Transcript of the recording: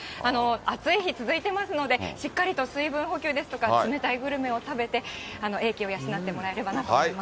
暑い日続いてますので、しっかりと水分補給ですとか、冷たいグルメを食べて、鋭気を養ってもらえればなと思います。